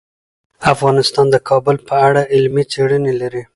افغانستان د کابل په اړه علمي څېړنې لري.